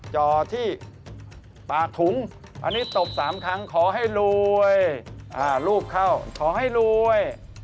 จอที่ปากถุงอันนี้ตบ๓ครั้งขอให้รวยรูปเข้าขอให้รวย